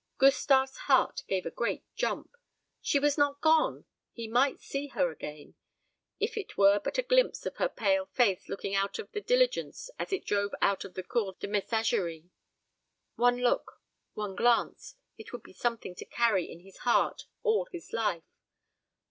Gustave's heart gave a great jump. She was not gone; he might see her again if it were but a glimpse of her pale face looking out of the diligence as it drove out of the Cour de Messageries. One look, one glance; it would be something to carry in his heart all his life.